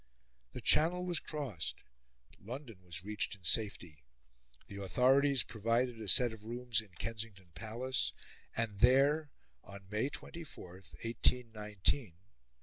The Channel was crossed, London was reached in safety. The authorities provided a set of rooms in Kensington Palace; and there, on May 24, 1819, a female infant was born.